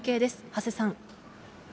長谷さん。